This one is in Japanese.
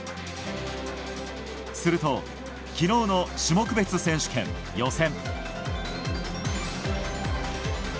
すると、昨日の種目別選手権予選。